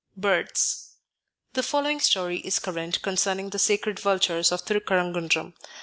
2. Birds The following story is current concerning the sacred vultures of Tirukazhukunram.